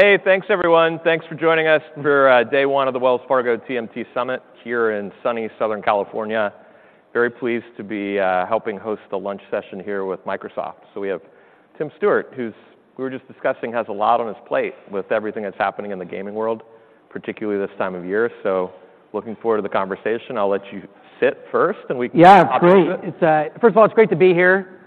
Hey, thanks everyone. Thanks for joining us for day one of the Wells Fargo TMT Summit here in sunny Southern California. Very pleased to be helping host the lunch session here with Microsoft. So we have Tim Stuart, who's, we were just discussing, has a lot on his plate with everything that's happening in the gaming world, particularly this time of year. So looking forward to the conversation. I'll let you sit first, and we can. Yeah, great. Talk a bit. First of all, it's great to be here.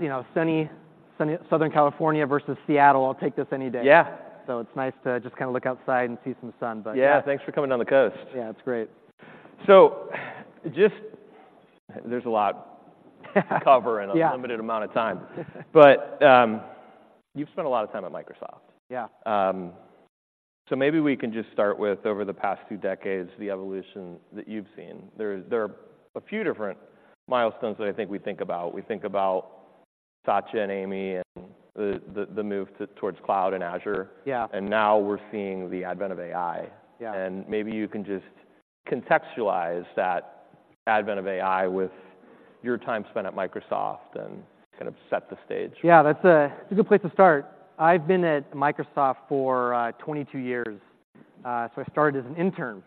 You know, sunny, sunny Southern California versus Seattle, I'll take this any day. Yeah. So it's nice to just kind of look outside and see some sun, but. Yeah, thanks for coming down the coast. Yeah, it's great. So. there's a lot to cover in. Yeah. A limited amount of time. But, you've spent a lot of time at Microsoft. Yeah. Maybe we can just start with over the past two decades, the evolution that you've seen. There are a few different milestones that I think we think about. We think about Satya and Amy and the move towards Cloud and Azure. Yeah. Now we're seeing the advent of AI. Yeah. Maybe you can just contextualize that advent of AI with your time spent at Microsoft and kind of set the stage. Yeah, that's a good place to start. I've been at Microsoft for 22 years. So I started as an intern.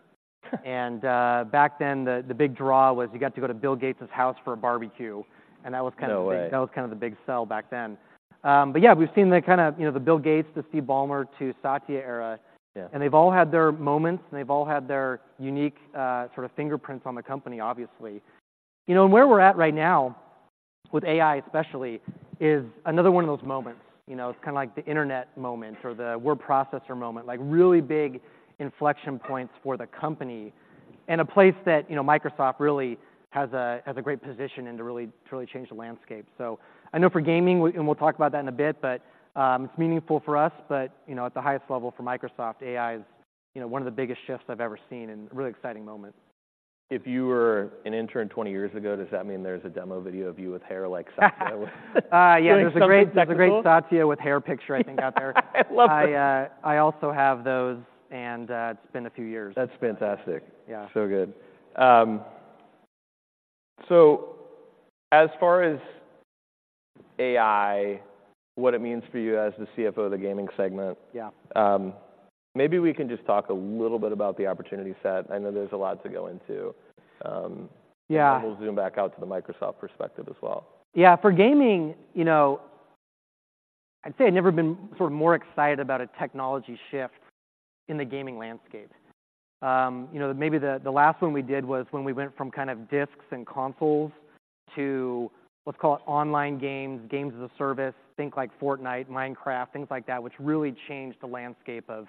And back then, the big draw was you got to go to Bill Gates's house for a barbecue, and that was kind of the. No way. That was kind of the big sell back then. But yeah, we've seen the kind of, you know, the Bill Gates, the Steve Ballmer, to Satya era. Yeah. They've all had their moments, and they've all had their unique, sort of fingerprints on the company, obviously. You know, and where we're at right now, with AI especially, is another one of those moments. You know, it's kind of like the Internet moment or the word processor moment, like, really big inflection points for the company, and a place that, you know, Microsoft really has a, has a great position and to really, really change the landscape. So I know for gaming, and we'll talk about that in a bit, but, it's meaningful for us. But, you know, at the highest level for Microsoft, AI is, you know, one of the biggest shifts I've ever seen and a really exciting moment. If you were an intern 20 years ago, does that mean there's a demo video of you with hair like Satya? Yeah, there's a great, there's a great Satya-with-hair picture, I think, out there. Love it. I, I also have those, and it's been a few years. That's fantastic. Yeah. So good. So as far as AI, what it means for you as the CFO of the gaming segment? Yeah Maybe we can just talk a little bit about the opportunity set. I know there's a lot to go into. Yeah We'll Zoom back out to the Microsoft perspective as well. Yeah. For gaming, you know, I'd say I've never been sort of more excited about a technology shift in the gaming landscape. You know, maybe the last one we did was when we went from kind of discs and consoles to, let's call it online games, games as a service, think like Fortnite, Minecraft, things like that, which really changed the landscape of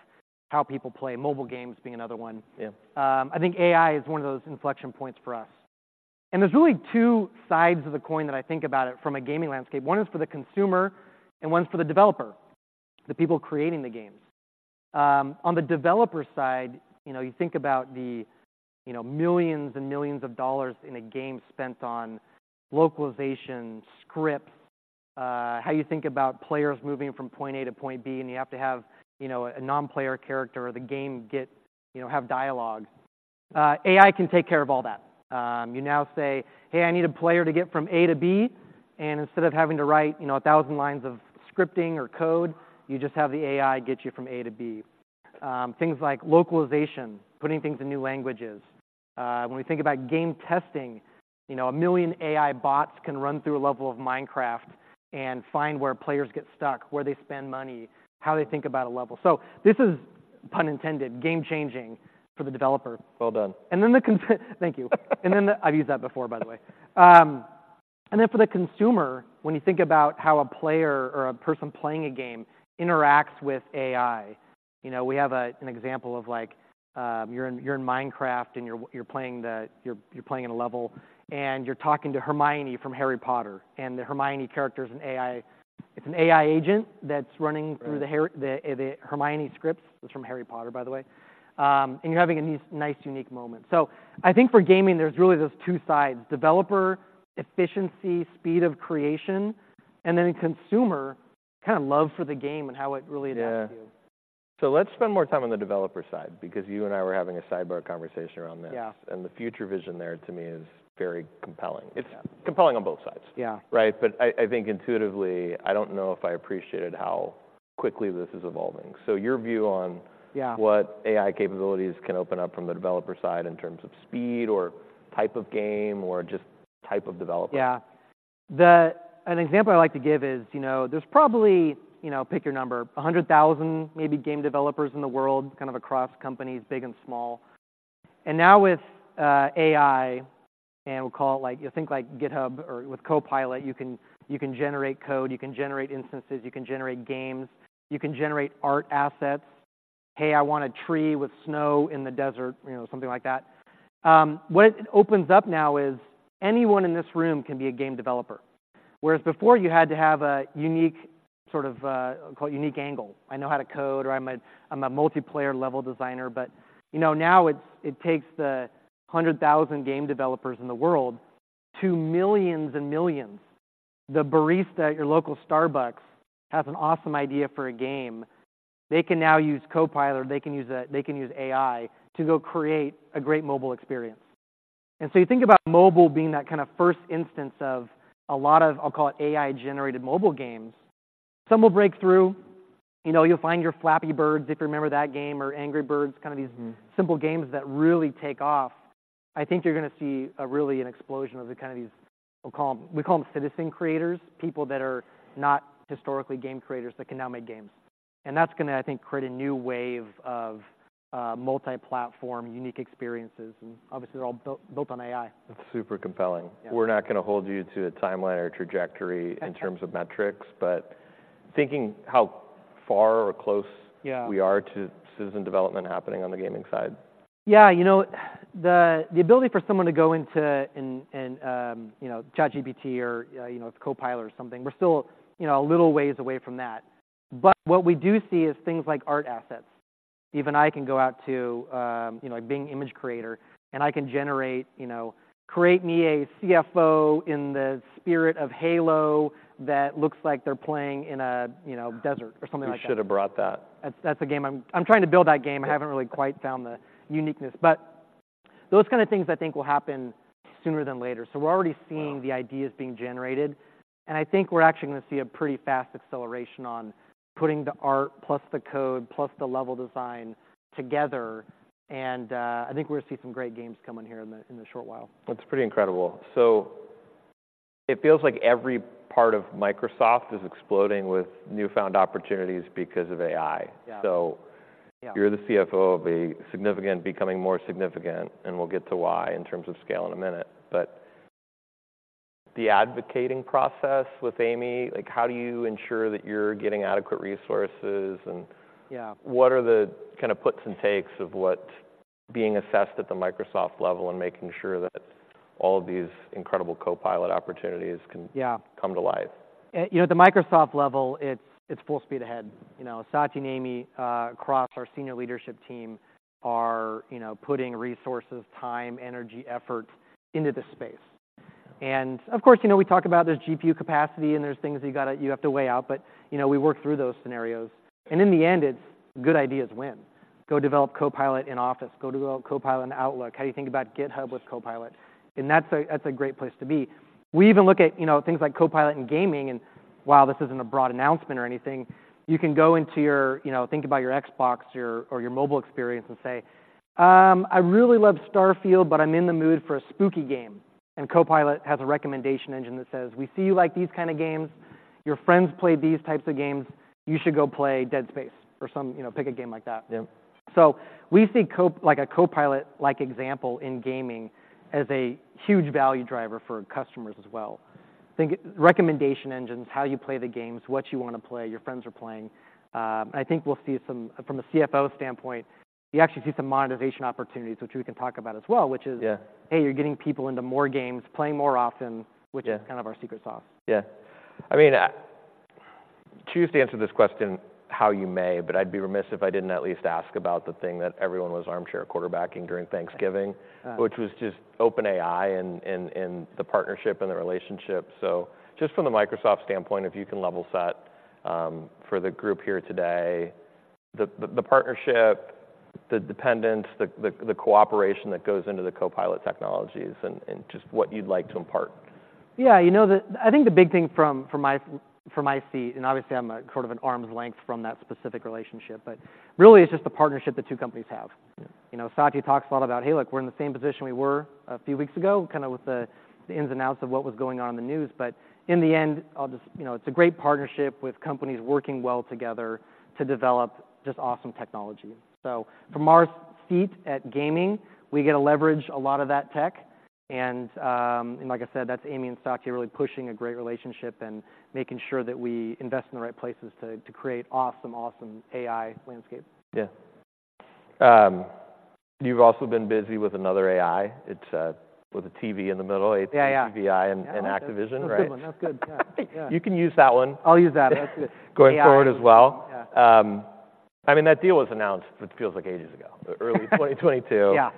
how people play mobile games being another one. Yeah. I think AI is one of those inflection points for us. There's really two sides of the coin that I think about it from a gaming landscape. One is for the consumer, and one's for the developer, the people creating the games. On the developer side, you know, you think about the, you know, millions and millions of dollars in a game spent on localization, script, how you think about players moving from point A to point B, and you have to have, you know, a Non-Player Character, or the game, you know, have dialogue. AI can take care of all that. You now say, "Hey, I need a player to get from A to B," and instead of having to write, you know, 1,000 lines of scripting or code, you just have the AI get you from A to B. Things like localization, putting things in new languages. When we think about game testing, you know, a million AI bots can run through a level of Minecraft and find where players get stuck, where they spend money, how they think about a level. So this is, pun intended, game-changing for the developer. Well done. Thank you. I've used that before, by the way. And then for the consumer, when you think about how a player or a person playing a game interacts with AI, you know, we have an example of, like, you're in Minecraft, and you're playing in a level, and you're talking to Hermione from Harry Potter. And the Hermione character is an AI. It's an AI agent that's running. Right. Through the Hermione scripts. It's from Harry Potter, by the way. And you're having a nice unique moment. So I think for gaming, there's really those two sides, developer efficiency, speed of creation, and then in consumer, kind of love for the game and how it really adapts to you. Yeah. So let's spend more time on the developer side, because you and I were having a sidebar conversation around this. Yeah. And the future vision there, to me, is very compelling. Yeah. It's compelling on both sides. Yeah. Right? But I, I think intuitively, I don't know if I appreciated how quickly this is evolving. So your view on. Yeah. What AI capabilities can open up from the developer side in terms of speed or type of game or just type of developer? Yeah. An example I like to give is, you know, there's probably, you know, pick your number, 100,000 maybe, game developers in the world, kind of across companies, big and small. And now with AI, and we'll call it, like, you'll think like GitHub or with Copilot, you can, you can generate code, you can generate instances, you can generate games, you can generate art assets. "Hey, I want a tree with snow in the desert," you know, something like that. What it opens up now is, anyone in this room can be a game developer, whereas before, you had to have a unique sort of, call it unique angle. "I know how to code," or, "I'm a, I'm a multiplayer-level designer." But, you know, now it's it takes the 100,000 game developers in the world to millions and millions. The barista at your local Starbucks has an awesome idea for a game. They can now use Copilot, they can use, they can use AI to go create a great mobile experience. And so you think about mobile being that kind of first instance of a lot of, I'll call it, AI-generated mobile games. Some will break through. You know, you'll find your Flappy Bird, if you remember that game, or Angry Birds, kind of these. Simple games that really take off. I think you're gonna see a really an explosion of the kind of these, we'll call them, we call them citizen creators, people that are not historically game creators that can now make games. That's gonna, I think, create a new wave of multi-platform, unique experiences, and obviously, they're all built, built on AI. That's super compelling. Yeah. We're not gonna hold you to a timeline or trajectory in terms of metrics, but thinking how far or close. Yeah. We are to citizen development happening on the gaming side? Yeah, you know, the ability for someone to go into and you know, ChatGPT or you know, it's Copilot or something. We're still you know, a little ways away from that. But what we do see is things like art assets. Even I can go out to you know, a Bing Image Creator, and I can generate you know, "Create me a CFO in the spirit of Halo that looks like they're playing in a you know, desert," or something like that. You should have brought that. That's a game I'm trying to build that game. Yeah. I haven't really quite found the uniqueness, but those kind of things I think will happen sooner than later. So we're already seeing. Wow. The ideas being generated, and I think we're actually gonna see a pretty fast acceleration on putting the art, plus the code, plus the level design together, and I think we're gonna see some great games coming here in the short while. That's pretty incredible. So it feels like every part of Microsoft is exploding with newfound opportunities because of AI. Yeah. So. Yeah. You're the CFO of a significant, becoming more significant, and we'll get to why in terms of scale in a minute. But the advocating process with Amy, like, how do you ensure that you're getting adequate resources and. Yeah. What are the kind of puts and takes of what's being assessed at the Microsoft level and making sure that all of these incredible Copilot opportunities can. Yeah Come to life? You know, at the Microsoft level, it's, it's full speed ahead. You know, Satya and Amy across our senior leadership team are, you know, putting resources, time, energy, effort into this space. And, of course, you know, we talk about there's GPU capacity and there's things you've gotta, you have to weigh out, but, you know, we work through those scenarios. And in the end, it's good ideas win. Go develop Copilot in Office. Go develop Copilot in Outlook. How do you think about GitHub with Copilot? And that's a, that's a great place to be. We even look at, you know, things like Copilot in gaming, and while this isn't a broad announcement or anything, you can go into your, you know, think about your Xbox, your, or your mobile experience and say, "I really love Starfield, but I'm in the mood for a spooky game." And Copilot has a recommendation engine that says, "We see you like these kind of games. Your friends play these types of games. You should go play Dead Space," or some, you know, pick a game like that. Yeah. So we see Copilot-like example in gaming as a huge value driver for customers as well. Think recommendation engines, how you play the games, what you wanna play, your friends are playing. And I think we'll see some, from a CFO standpoint, you actually see some monetization opportunities, which we can talk about as well, which is. Yeah. You're getting people into more games, playing more often. Yeah. Which is kind of our secret sauce. Yeah. I mean, choose to answer this question how you may, but I'd be remiss if I didn't at least ask about the thing that everyone was armchair quarterbacking during Thanksgiving. Which was just OpenAI and the partnership and the relationship. So just from the Microsoft standpoint, if you can level set for the group here today, the partnership, the dependence, the cooperation that goes into the Copilot technologies, and just what you'd like to impart. Yeah, you know, I think the big thing from my seat, and obviously I'm at sort of an arm's length from that specific relationship, but really, it's just the partnership the two companies have. Yeah. You know, Satya talks a lot about, "Hey, look, we're in the same position we were a few weeks ago," kind of with the ins and outs of what was going on in the news. But in the end, I'll just- you know, it's a great partnership with companies working well together to develop just awesome technology. So from our seat at gaming, we get to leverage a lot of that tech, and, and like I said, that's Amy and Satya really pushing a great relationship and making sure that we invest in the right places to, to create awesome, awesome AI landscapes. Yeah. You've also been busy with another AI. It's with a TV in the middle, ATVI. Yeah, yeah. And Activision, right? That's a good one. That's good, yeah. Yeah. You can use that one. I'll use that. That's good. Going forward as well. Yeah. I mean, that deal was announced, it feels like ages ago. Early 2022. Yeah.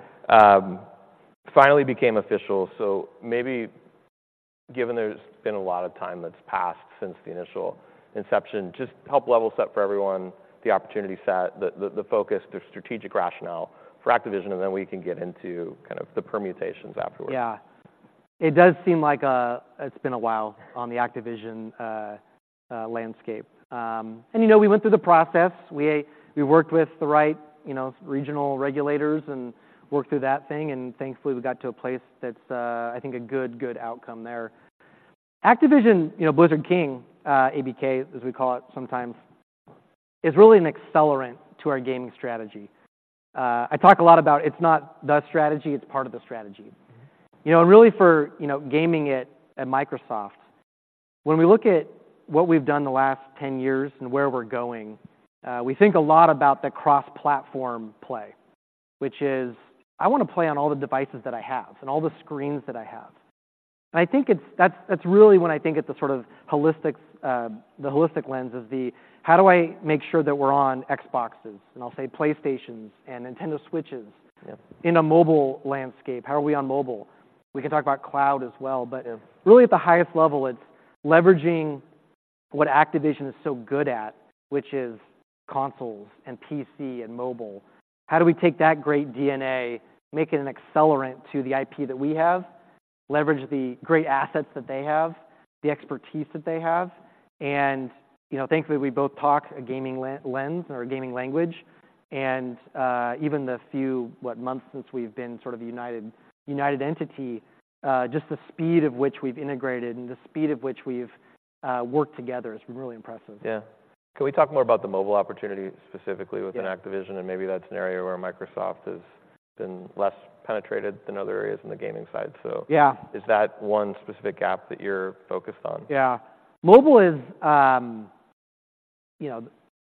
Finally became official, so maybe, given there's been a lot of time that's passed since the initial inception, just help level set for everyone the opportunity set, the focus, the strategic rationale for Activision, and then we can get into kind of the permutations afterward. Yeah. It does seem like it's been a while on the Activision landscape. You know, we went through the process. We worked with the right, you know, regional regulators and worked through that thing, and thankfully, we got to a place that's, I think a good, good outcome there. Activision, you know, Blizzard King, ABK, as we call it sometimes, is really an accelerant to our gaming strategy. I talk a lot about it's not the strategy, it's part of the strategy. You know, and really, for, you know, gaming at Microsoft, when we look at what we've done the last 10 years and where we're going, we think a lot about the cross-platform play, which is, I wanna play on all the devices that I have and all the screens that I have. And I think that's really when I think it's the sort of holistic lens is the, "How do I make sure that we're on Xboxes?" And I'll say, PlayStations and Nintendo Switches. Yeah. In a mobile landscape, how are we on mobile? We can talk about Cloud as well, but really at the highest level, it's leveraging what Activision is so good at, which is consoles, PC, and mobile. How do we take that great DNA, make it an accelerant to the IP that we have, leverage the great assets that they have, the expertise that they have? And, you know, thankfully, we both talk a gaming lens, or a gaming language. And even the few months since we've been sort of united entity, just the speed of which we've integrated and the speed of which we've worked together has been really impressive. Yeah. Can we talk more about the mobile opportunity specifically. Yeah. with an Activision and maybe that scenario where Microsoft has been less penetrated than other areas in the gaming side, so. Yeah. Is that one specific app that you're focused on? Yeah. Mobile is, you know,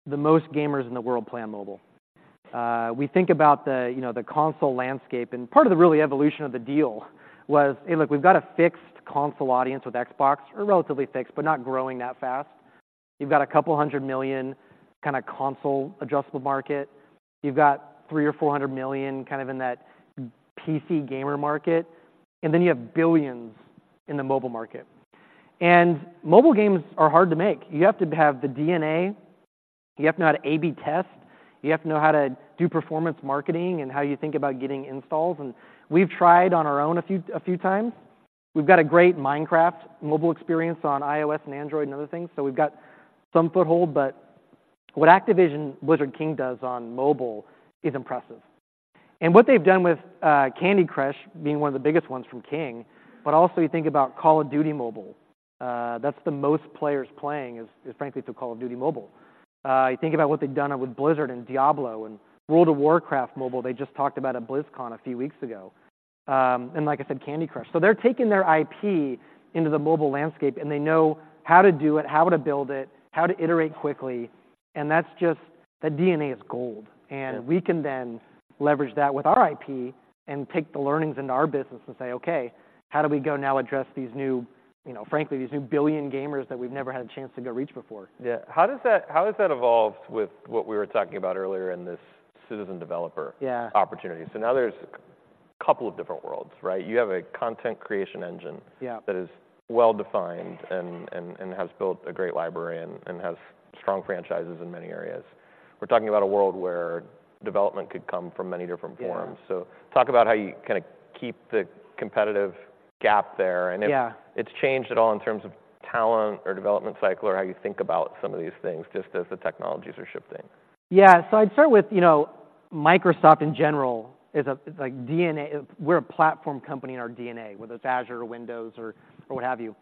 the most gamers in the world play on mobile. We think about, you know, the console landscape, and part of the really evolution of the deal was, "Hey, look, we've got a fixed console audience with Xbox," or relatively fixed, but not growing that fast. You've got 200 million kinda console adjustable market. You've got 300 or 400 million kind of in that PC gamer market, and then you have billions in the mobile market. And mobile games are hard to make. You have to have the DNA, you have to know how to AB test, you have to know how to do performance marketing and how you think about getting installs, and we've tried on our own a few times. We've got a great Minecraft mobile experience on iOS and Android and other things, so we've got some foothold, but what Activision Blizzard King does on mobile is impressive. And what they've done with, Candy Crush being one of the biggest ones from King, but also you think about Call of Duty Mobile. That's the most players playing is frankly through Call of Duty Mobile. You think about what they've done with Blizzard, and Diablo, and World of Warcraft mobile, they just talked about at BlizzCon a few weeks ago. And like I said, Candy Crush. So they're taking their IP into the mobile landscape, and they know how to do it, how to build it, how to iterate quickly, and that's just. That DNA is gold. Yeah. We can then leverage that with our IP and take the learnings into our business and say, "Okay, how do we go now address these new, you know, frankly, these new billion gamers that we've never had a chance to go reach before? Yeah. How does that, how has that evolved with what we were talking about earlier in this citizen developer. Yeah. Opportunity? So now there's a couple of different worlds, right? You have a content creation engine. Yeah. That is well-defined and has built a great library and has strong franchises in many areas. We're talking about a world where development could come from many different forms. Yeah. Talk about how you kinda keep the competitive gap there, and. Yeah. If it's changed at all in terms of talent, or development cycle, or how you think about some of these things, just as the technologies are shifting. Yeah. So I'd start with, you know, Microsoft in general is a, like, DNA—we're a platform company in our DNA, whether it's Azure or Windows or, or what have you.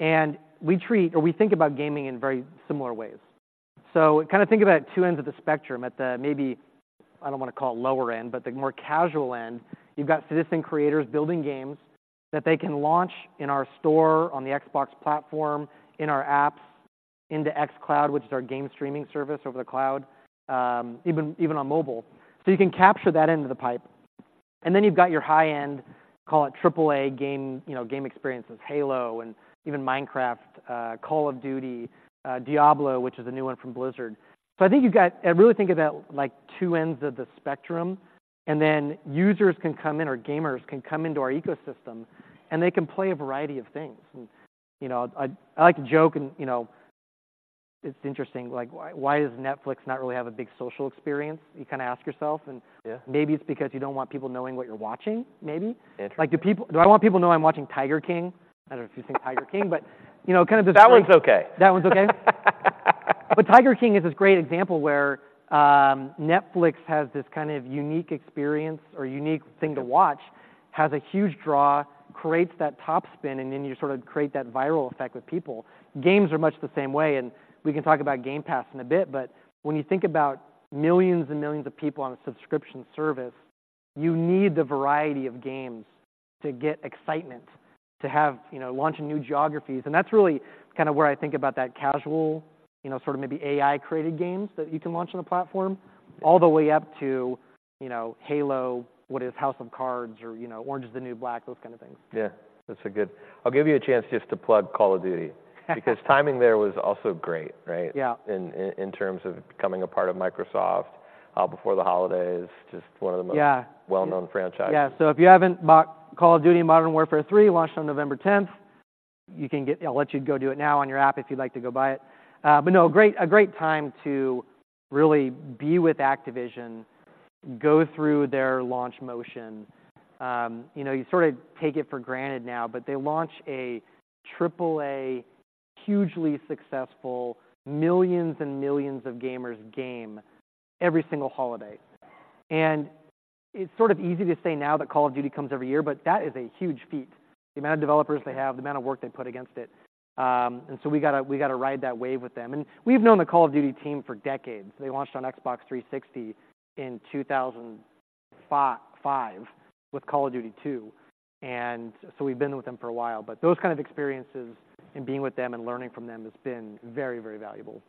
And we treat or we think about gaming in very similar ways. So kinda think about it two ends of the spectrum, at the maybe, I don't wanna call it lower end, but the more casual end, you've got citizen creators building games that they can launch in our store, on the Xbox platform, in our apps, into xCloud, which is our game streaming service over the Cloud, even on mobile. So you can capture that end of the pipe, and then you've got your high-end, call it triple-A game, you know, game experiences, Halo, and even Minecraft, Call of Duty, Diablo, which is a new one from Blizzard. So I think you've got. I really think about, like, two ends of the spectrum, and then users can come in, or gamers can come into our ecosystem, and they can play a variety of things. And, you know, I, I like to joke and, you know, it's interesting, like, why, why does Netflix not really have a big social experience? You kinda ask yourself, and. Yeah. Maybe it's because you don't want people knowing what you're watching, maybe? Interesting. Like, do I want people to know I'm watching Tiger King? I don't know if you've seen Tiger King, but you know, kind of this. That one's okay. That one's okay? But Tiger King is this great example where, Netflix has this kind of unique experience or unique thing to watch, has a huge draw, creates that top spin, and then you sort of create that viral effect with people. Games are much the same way, and we can talk about Game Pass in a bit, but when you think about millions and millions of people on a subscription service, you need the variety of games to get excitement, to have, you know, launch in new geographies. And that's really kinda where I think about that casual, you know, sort of maybe AI-created games that you can launch on the platform, all the way up to, you know, Halo, what is, House of Cards, or, you know, Orange is the New Black, those kind of things. Yeah, that's a good. I'll give you a chance just to plug Call of Duty, because timing there was also great, right? Yeah. In terms of becoming a part of Microsoft, before the holidays, just one of the most. Yeah. Well-known franchises. Yeah. So if you haven't bought Call of Duty: Modern Warfare 3, launched on November 10th, you can get it. I'll let you go do it now on your app if you'd like to go buy it. But no, a great, a great time to really be with Activision, go through their launch motion. You know, you sort of take it for granted now, but they launch a triple A, hugely successful, millions and millions of gamers game every single holiday. And it's sort of easy to say now that Call of Duty comes every year, but that is a huge feat. The amount of developers they have, the amount of work they put against it. And so we gotta, we gotta ride that wave with them. And we've known the Call of Duty team for decades. They launched on Xbox 360 in 2005 with Call of Duty 2, and so we've been with them for a while. But those kind of experiences, and being with them, and learning from them has been very, very valuable.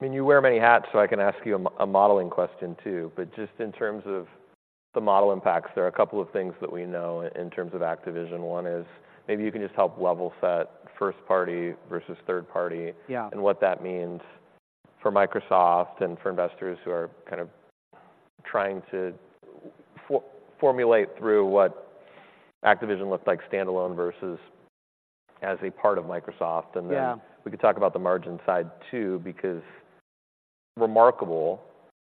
I mean, you wear many hats, so I can ask you a modeling question, too. But just in terms of the model impacts, there are a couple of things that we know in terms of Activision. One is, maybe you can just help level set first party versus third party. Yeah. And what that means for Microsoft and for investors who are kind of trying to formulate through what Activision looked like standalone versus as a part of Microsoft. Yeah. We could talk about the margin side, too, because, remarkably,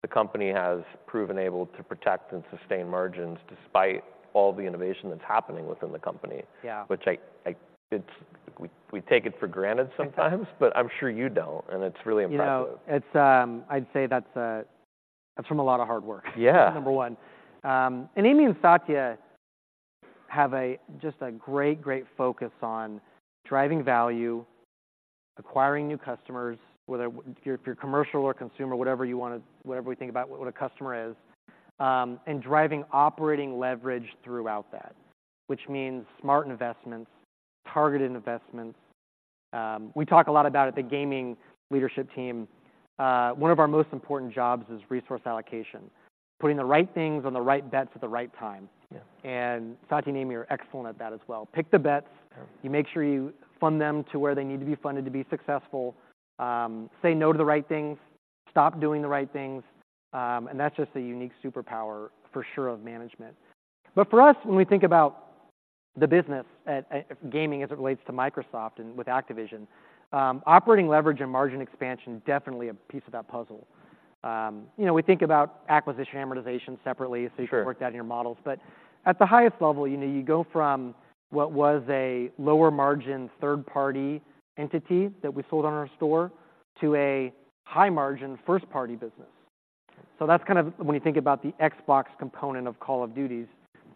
the company has proven able to protect and sustain margins despite all the innovation that's happening within the company. Yeah. Which I, it's- we take it for granted sometimes. I know. But I'm sure you don't, and it's really impressive. You know, it's, I'd say that's, that's from a lot of hard work. Yeah! Number one. And Amy and Satya have a, just a great, great focus on driving value, acquiring new customers, whether if you're, if you're commercial or consumer, whatever you wanna, whatever we think about what, what a customer is, and driving operating leverage throughout that, which means smart investments, targeted investments. We talk a lot about it, the gaming leadership team, one of our most important jobs is resource allocation, putting the right things on the right bets at the right time. Yeah. Satya and Amy are excellent at that as well. Pick the bets. Yeah. You make sure you fund them to where they need to be funded to be successful. Say no to the right things, stop doing the right things, and that's just a unique superpower, for sure, of management. But for us, when we think about the business at gaming as it relates to Microsoft and with Activision, operating leverage and margin expansion, definitely a piece of that puzzle. You know, we think about acquisition amortization separately. Sure. So you can work that in your models. But at the highest level, you know, you go from what was a lower margin, third-party entity that we sold on our store, to a high-margin, first-party business. So that's kind of when you think about the Xbox component of Call of Duty,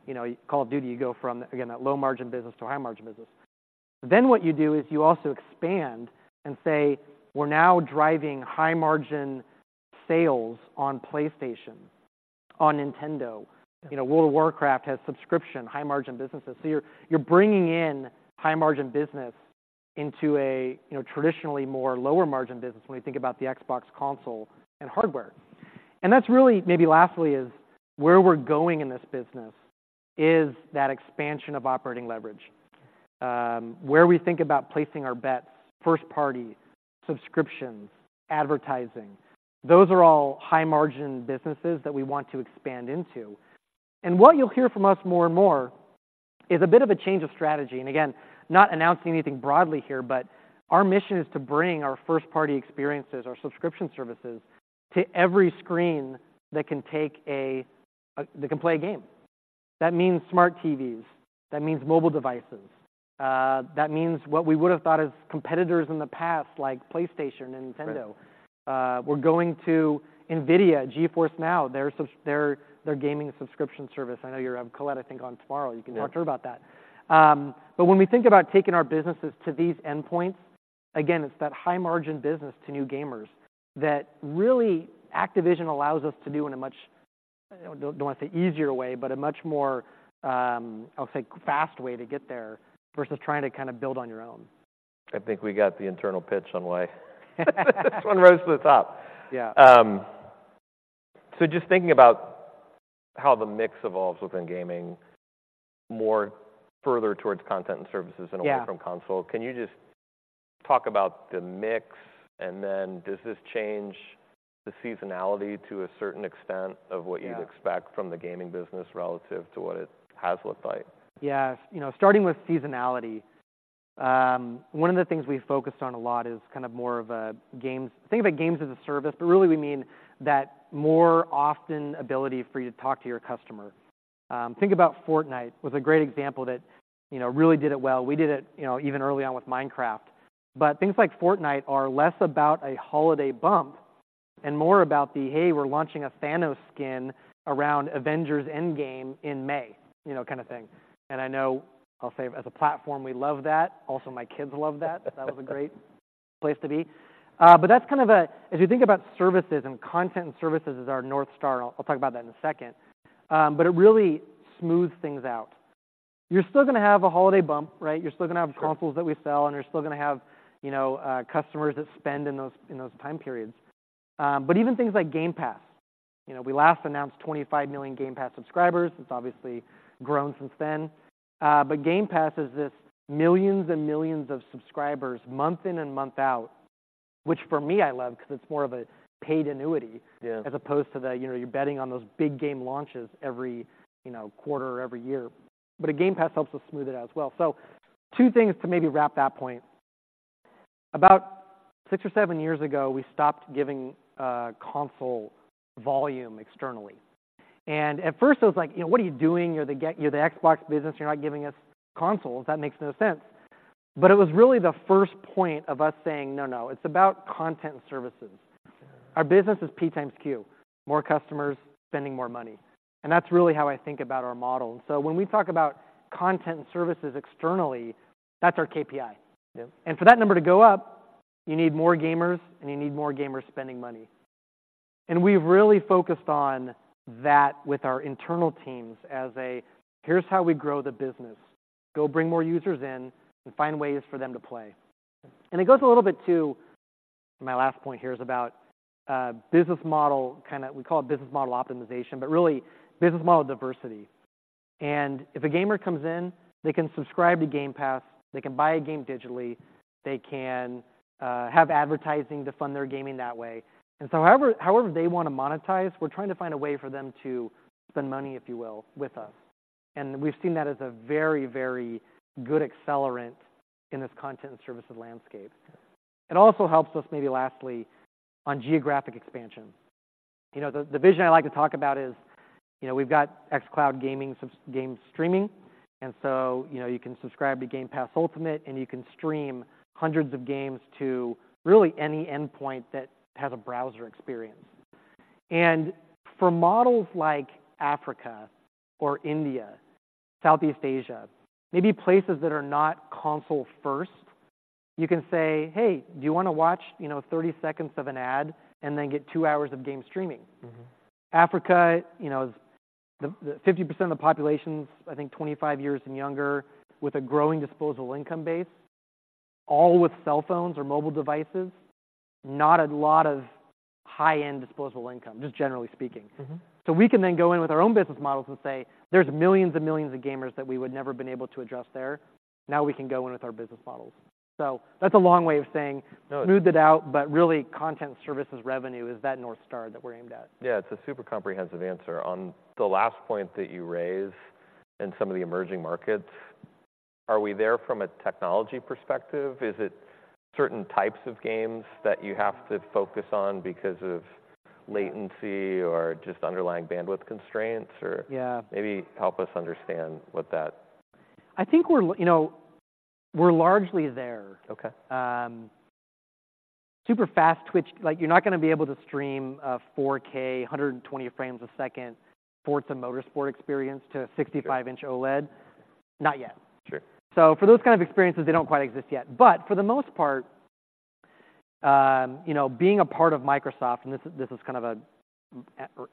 you know, Call of Duty, you go from, again, that low-margin business to a high-margin business. Then what you do is you also expand and say, "We're now driving high-margin sales on PlayStation, on Nintendo". Yeah. You know, World of Warcraft has subscription, high-margin businesses. So you're bringing in high-margin business into a, you know, traditionally more lower-margin business, when we think about the Xbox console and hardware. And that's really, maybe lastly, is where we're going in this business, is that expansion of operating leverage. Where we think about placing our bets, first-party, subscriptions, advertising, those are all high-margin businesses that we want to expand into. And what you'll hear from us more and more is a bit of a change of strategy, and again, not announcing anything broadly here, but our mission is to bring our first-party experiences, our subscription services, to every screen that can take a, that can play a game. That means smart TVs, that means mobile devices, that means what we would've thought as competitors in the past, like PlayStation and Nintendo. Right. We're going to NVIDIA, GeForce NOW, their gaming subscription service. I know you have Colette, I think, on tomorrow. Yeah. You can talk to her about that. But when we think about taking our businesses to these endpoints, again, it's that high-margin business to new gamers, that really Activision allows us to do in a much, I don't wanna say easier way, but a much more, I'll say, fast way to get there, versus trying to kinda build on your own. I think we got the internal pitch on the way. This one rose to the top. Yeah. So just thinking about how the mix evolves within gaming, more further towards content and services. Yeah. And away from console, can you just talk about the mix, and then does this change the seasonality to a certain extent? Yeah. Of what you'd expect from the gaming business relative to what it has looked like? Yeah. You know, starting with seasonality, one of the things we've focused on a lot is kind of more of a games. Think about games as a service, but really we mean that more often ability for you to talk to your customer. Think about Fortnite, was a great example that, you know, really did it well. We did it, you know, even early on with Minecraft. But things like Fortnite are less about a holiday bump and more about the, "Hey, we're launching a Thanos skin around Avengers: Endgame in May," you know, kinda thing. And I know, I'll say as a platform, we love that. Also, my kids love that. So that was a great place to be. But that's kind of a. If you think about services, and Content and services is our North Star, I'll talk about that in a second, but it really smoothed things out. You're still gonna have a holiday bump, right? You're still gonna have. Sure. Consoles that we sell, and you're still gonna have, you know, customers that spend in those, in those time periods. But even things like Game Pass, you know, we last announced 25 million Game Pass subscribers. It's obviously grown since then. But Game Pass is this millions and millions of subscribers, month in and month out, which for me, I love, 'cause it's more of a paid annuity. Yeah. As opposed to the, you know, you're betting on those big game launches every, you know, quarter or every year. But a Game Pass helps us smooth it out as well. So two things to maybe wrap that point. About six or seven years ago, we stopped giving console volume externally, and at first it was like, "You know, what are you doing? You're the—you're the Xbox business, you're not giving us consoles, that makes no sense." But it was really the first point of us saying, "No, no, it's about content and services. Our business is P times Q, more customers spending more money, and that's really how I think about our model. So when we talk about Content and services externally, that's our KPI. Yeah. And for that number to go up, you need more gamers, and you need more gamers spending money. And we've really focused on that with our internal teams as a, "Here's how we grow the business. Go bring more users in, and find ways for them to play." And it goes a little bit to my last point here, is about business model, kinda, we call it business model optimization, but really business model diversity. And if a gamer comes in, they can subscribe to Game Pass, they can buy a game digitally, they can have advertising to fund their gaming that way. And so however, however they wanna monetize, we're trying to find a way for them to spend money, if you will, with us, and we've seen that as a very, very good accelerant in this content and services landscape. It also helps us, maybe lastly, on geographic expansion. You know, the vision I like to talk about is, you know, we've got xCloud gaming sub- game streaming, and so, you know, you can subscribe to Game Pass Ultimate, and you can stream hundreds of games to really any endpoint that has a browser experience. For models like Africa or India, Southeast Asia, maybe places that are not console first, you can say, "Hey, do you wanna watch, you know, 30 seconds of an ad and then get two hours of game streaming? Africa, you know, is the 50% of the population's, I think, 25 years and younger, with a growing disposable income base, all with cell phones or mobile devices, not a lot of high-end disposable income, just generally speaking. So we can then go in with our own business models and say, "There's millions and millions of gamers that we would never have been able to address there. Now we can go in with our business models." So that's a long way of saying. No! Smooth it out, but really, content services revenue is that North Star that we're aimed at. Yeah, it's a super comprehensive answer. On the last point that you raised in some of the emerging markets, are we there from a technology perspective? Is it certain types of games that you have to focus on because of latency or just underlying bandwidth constraints, or. Yeah. Maybe help us understand what that. I think we're, you know, we're largely there. Okay. Super fast twitch, like, you're not gonna be able to stream a 4K, 120 frames a second sports and motorsport experience to a 65. Sure. Inch OLED. Not yet. Sure. So for those kind of experiences, they don't quite exist yet. But for the most part, you know, being a part of Microsoft, and this is kind of an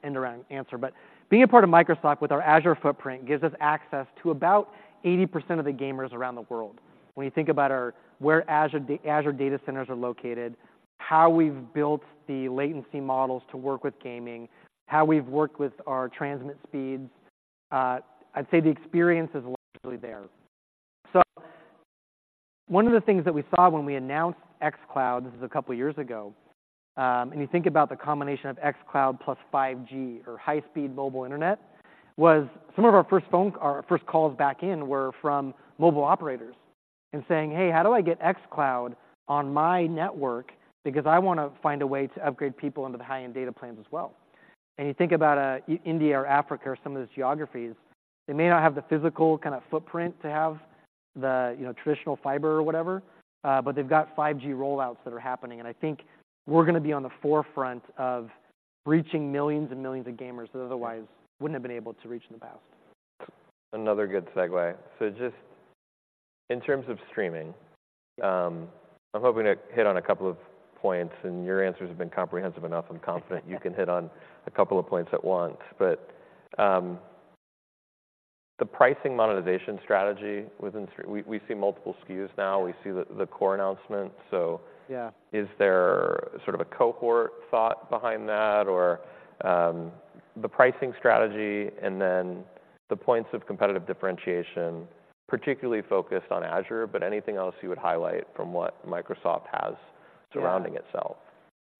end-around answer, but being a part of Microsoft with our Azure footprint gives us access to about 80% of the gamers around the world. When you think about where Azure data centers are located, how we've built the latency models to work with gaming, how we've worked with our transmit speeds, I'd say the experience is largely there. So one of the things that we saw when we announced xCloud, this is a couple of years ago, and you think about the combination of xCloud plus 5G or high-speed mobile internet, was some of our first phone. Our first calls back in were from mobile operators and saying, "Hey, how do I get xCloud on my network? Because I wanna find a way to upgrade people into the high-end data plans as well." And you think about, India or Africa or some of those geographies, they may not have the physical kind of footprint to have the, you know, traditional fiber or whatever, but they've got 5G rollouts that are happening, and I think we're gonna be on the forefront of reaching millions and millions of gamers that otherwise wouldn't have been able to reach in the past. Another good segue. So just in terms of streaming, I'm hoping to hit on a couple of points, and your answers have been comprehensive enough. I'm confident you can hit on a couple of points at once. But the pricing monetization strategy within. We see multiple SKUs now. We see the core announcement, so. Yeah. Is there sort of a cohort thought behind that or, the pricing strategy and then the points of competitive differentiation, particularly focused on Azure, but anything else you would highlight from what Microsoft has. Yeah. Surrounding itself?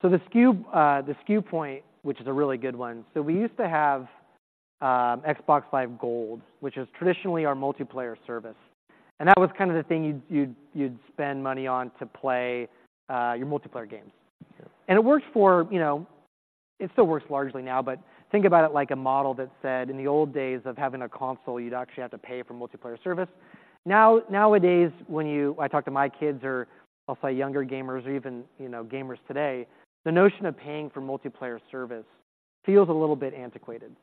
The SKU point, which is a really good one, so we used to have Xbox Live Gold, which is traditionally our multiplayer service, and that was kind of the thing you'd spend money on to play your multiplayer games. Sure. It worked for, you know. It still works largely now, but think about it like a model that said, in the old days of having a console, you'd actually have to pay for multiplayer service. Now, nowadays, when I talk to my kids or I'll say younger gamers or even, you know, gamers today, the notion of paying for multiplayer service feels a little bit antiquated. Yeah.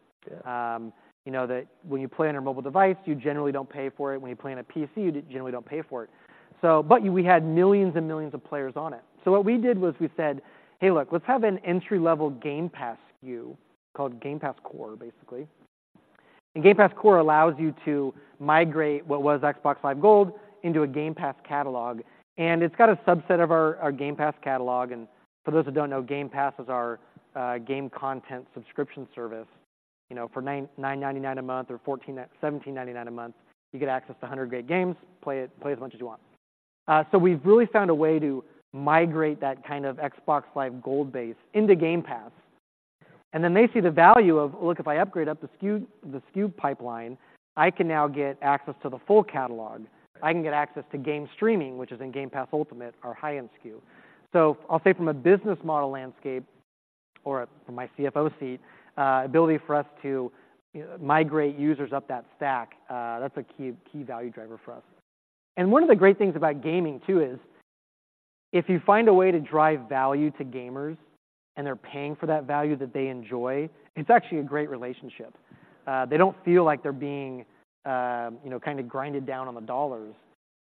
You know that when you play on a mobile device, you generally don't pay for it. When you play on a PC, you generally don't pay for it. So but we had millions and millions of players on it. So what we did was we said, "Hey, look, let's have an entry-level Game Pass SKU called Game Pass Core, basically." And Game Pass Core allows you to migrate what was Xbox Live Gold into a Game Pass catalog, and it's got a subset of our, our Game Pass catalog. And for those who don't know, Game Pass is our game content subscription service. You know, for $9.99 a month or $14.99 to $17.99 a month, you get access to 100 great games, play it, play as much as you want. So we've really found a way to migrate that kind of Xbox Live Gold base into Game Pass, and then they see the value of, "Look, if I upgrade up the SKU, the SKU pipeline, I can now get access to the full catalog. Right. I can get access to game streaming," which is in Game Pass Ultimate, our high-end SKU. So I'll say from a business model landscape or from my CFO seat, ability for us to migrate users up that stack, that's a key, key value driver for us. And one of the great things about gaming, too, is if you find a way to drive value to gamers and they're paying for that value that they enjoy, it's actually a great relationship. They don't feel like they're being, you know, kind of grinded down on the dollars.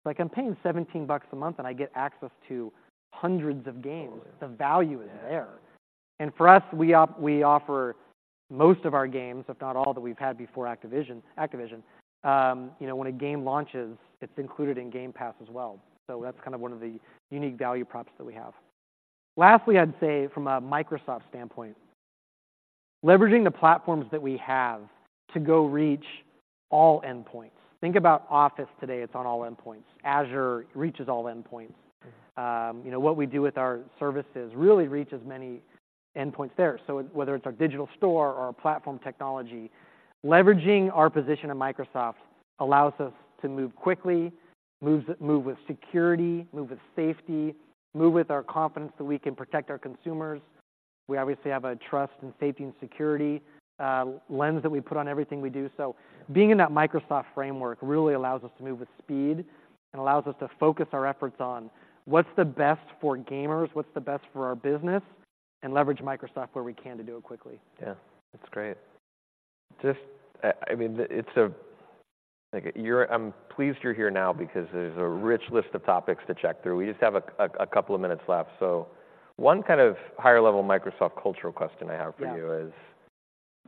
Like, "I'm paying $17 a month, and I get access to hundreds of games. Totally. The value is there. Yeah. And for us, we offer most of our games, if not all, that we've had before Activision. You know, when a game launches, it's included in Game Pass as well. So that's kind of one of the unique value props that we have. Lastly, I'd say from a Microsoft standpoint, leveraging the platforms that we have to go reach all endpoints. Think about Office today, it's on all endpoints. Azure reaches all endpoints. You know, what we do with our services really reaches many endpoints there. So whether it's our digital store or our platform technology, leveraging our position at Microsoft allows us to move quickly, move with security, move with safety, move with confidence that we can protect our consumers. We obviously have a trust and safety and security lens that we put on everything we do. So being in that Microsoft framework really allows us to move with speed and allows us to focus our efforts on what's the best for gamers, what's the best for our business, and leverage Microsoft where we can to do it quickly. Yeah, that's great. Just, I mean, it's like you're. I'm pleased you're here now because there's a rich list of topics to check through. We just have a couple of minutes left. So one kind of higher-level Microsoft cultural question I have for you. Yeah.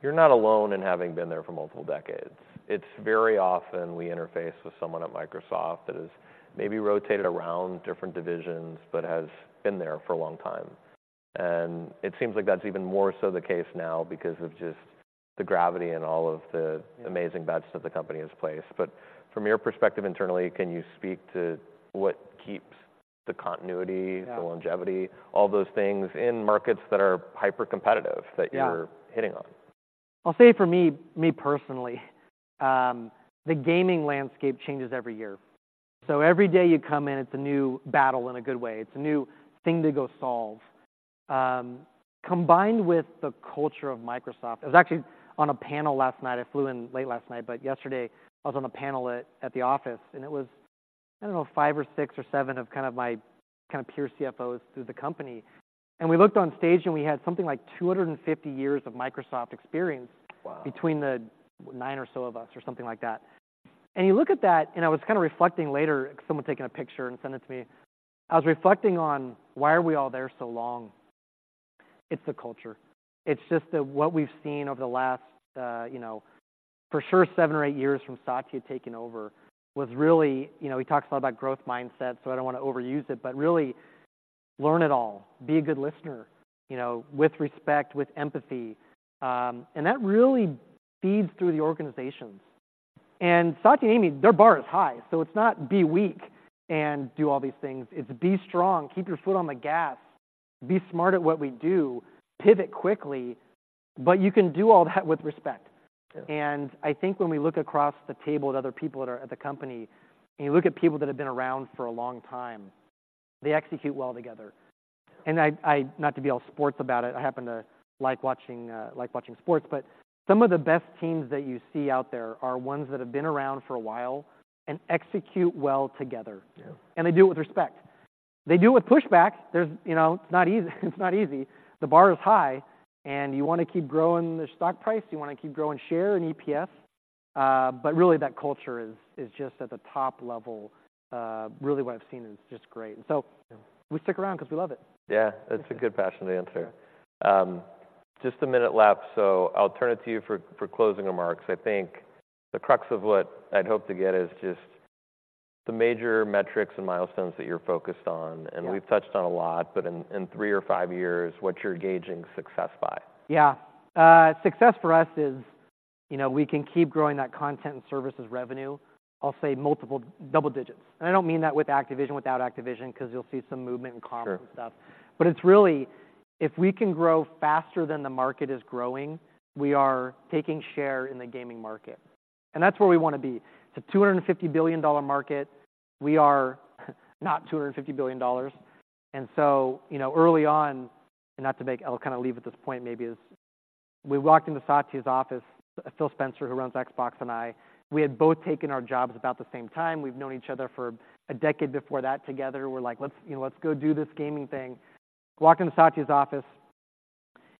You're not alone in having been there for multiple decades. It's very often we interface with someone at Microsoft that has maybe rotated around different divisions, but has been there for a long time. It seems like that's even more so the case now because of just the gravity and all of the. Yeah. Amazing bets that the company has placed. But from your perspective internally, can you speak to what keeps the continuity? Yeah. The longevity, all those things, in markets that are hyper-competitive. Yeah. That you're hitting on? I'll say for me, me personally, the gaming landscape changes every year. So every day you come in, it's a new battle in a good way. It's a new thing to go solve. Combined with the culture of Microsoft. I was actually on a panel last night. I flew in late last night, but yesterday, I was on a panel at the office, and it was, I don't know, five or six or seven of kind of my kinda peer CFOs through the company. And we looked on stage, and we had something like 250 years of Microsoft experience. Wow! Between the nine or so of us, or something like that. And you look at that, and I was kinda reflecting later, someone had taken a picture and sent it to me. I was reflecting on, why are we all there so long? It's the culture. It's just that what we've seen over the last, you know, for sure, seven or eight years from Satya taking over, was really. You know, he talks a lot about growth mindset, so I don't wanna overuse it, but really, learn it all. Be a good listener, you know, with respect, with empathy. And that really feeds through the organizations. And Satya and Amy, their bar is high, so it's not be weak and do all these things. It's be strong, keep your foot on the gas, be smart at what we do, pivot quickly, but you can do all that with respect. Yeah. I think when we look across the table at other people that are at the company, and you look at people that have been around for a long time, they execute well together. And I, not to be all sports about it, I happen to like watching, like watching sports, but some of the best teams that you see out there are ones that have been around for a while and execute well together. Yeah. They do it with respect. They do it with pushback. There's, you know, it's not easy. It's not easy. The bar is high, and you wanna keep growing the stock price, you wanna keep growing share and EPS, but really, that culture is just at the top level. Really, what I've seen is just great. Yeah. We stick around 'cause we love it. Yeah, that's a good question to answer. Just a minute left, so I'll turn it to you for closing remarks. I think the crux of what I'd hoped to get is just the major metrics and milestones that you're focused on. Yeah. We've touched on a lot, but in three or five years, what you're gauging success by? Yeah. Success for us is, you know, we can keep growing that content and services revenue. I'll say multiple double digits. And I don't mean that with Activision, without Activision, 'cause you'll see some movement in comp. Sure. And stuff. But it's really, if we can grow faster than the market is growing, we are taking share in the gaming market, and that's where we wanna be. It's a $250 billion market. We are not $250 billion. And so, you know, early on, and not to make. I'll kinda leave at this point, maybe is, we walked into Satya's office, Phil Spencer, who runs Xbox, and I. We had both taken our jobs about the same time. We've known each other for a decade before that together. We're like: "Let's, you know, let's go do this gaming thing." Walk into Satya's office: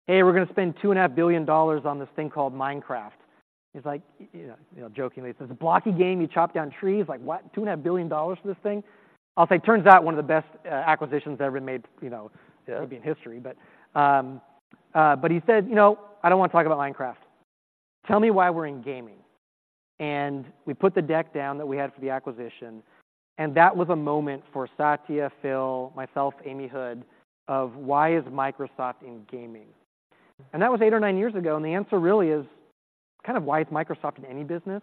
"Hey, we're gonna spend $2.5 billion on this thing called Minecraft." He's like, "Yeah," you know, jokingly he says, "The blocky game, you chop down trees? Like, what? “$2.5 billion for this thing?” I'll say, turns out, one of the best acquisitions ever made, you know. Yeah. Maybe in history. But he said, "You know, I don't wanna talk about Minecraft. Tell me why we're in gaming." And we put the deck down that we had for the acquisition, and that was a moment for Satya, Phil, myself, Amy Hood, of: Why is Microsoft in gaming? And that was eight or nine years ago, and the answer really is, kind of why is Microsoft in any business?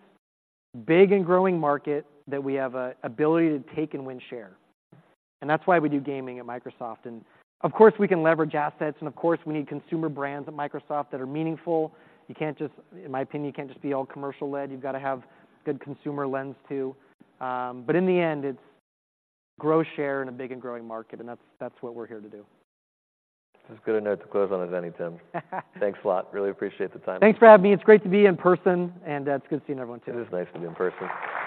Big and growing market that we have a ability to take and win share, and that's why we do gaming at Microsoft. And of course, we can leverage assets, and of course, we need consumer brands at Microsoft that are meaningful. You can't just, in my opinion, you can't just be all commercial-led. You've gotta have good consumer lens, too. But in the end, it's grow share in a big and growing market, and that's, that's what we're here to do. That's as good a note to close on as any, Tim. Thanks a lot. Really appreciate the time. Thanks for having me. It's great to be in person, and it's good seeing everyone, too. It is nice to be in person.